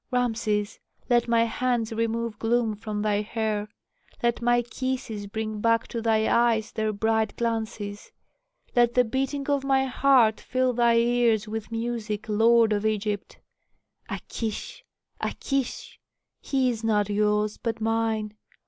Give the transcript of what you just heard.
"Rameses, let my hands remove gloom from thy hair, let my kisses bring back to thy eyes their bright glances. Let the beating of my heart fill thy ears with music, lord of Egypt. A kish! a kish! he is not yours, but mine.